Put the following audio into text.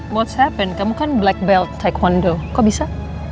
apa yang terjadi kamu kan black belt taekwondo kok bisa